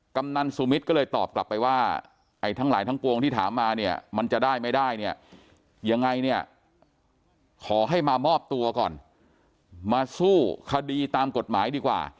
กำนันสุมิตรก็เลยตอบกลับไปว่าไอ้ทั้งหลายทั้งปวงที่ถามมาเนี่ยมันจะได้ไม่ได้เนี่ยยังไงเนี่ยขอให้มามอบตัวก่อนมาสู้คดีตามกฎหมายดีกว่า